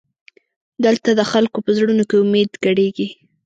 دلته د خلکو په زړونو کې امید ګډېږي.